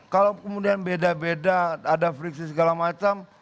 kalau kemudian beda beda ada friksi segala macam